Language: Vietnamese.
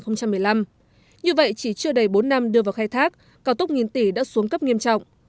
như vậy chỉ chưa đầy bốn năm đưa vào khai thác cao tốc nghìn tỷ đã xuống cấp nghiêm trọng